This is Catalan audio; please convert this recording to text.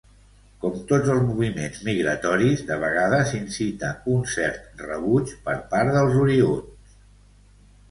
Com tots els moviments migratoris, de vegades incita un cert rebuig per part dels oriünds.